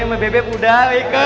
ya ampun pin